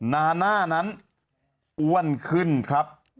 นาน่านั้นอ้วนขึ้นครับ